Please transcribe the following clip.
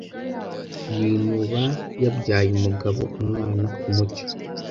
yinuba Yabyaye umugabo Umwana kumucyo